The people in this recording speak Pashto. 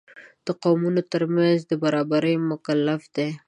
د قومونو تر منځ د برابرۍ مکلف دی.